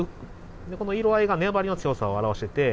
でこの色合いが粘りの強さを表していて。